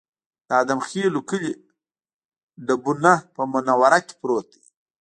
د ادم خېلو کلی ډبونه په منوره کې پروت دی